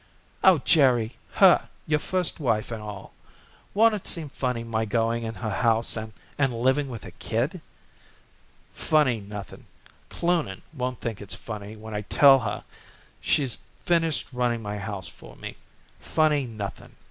"Oh, Jerry, her your first wife and all! Won't it seem funny my going in her house and and living with her kid." "Funny nothing. Cloonan won't think it's funny when I tell her she's finished running my house for me. Funny nothing.